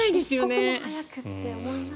一刻も早くって思いますよね。